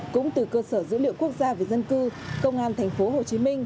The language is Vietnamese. cũng từ cơ sở dữ liệu quốc gia về dân cư công an tp hcm